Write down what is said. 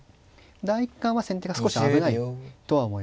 第一感は先手が少し危ないとは思います。